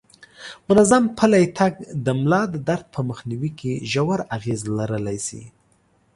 منظم پلی تګ د ملا د درد په مخنیوي کې ژور اغیز لرلی شي.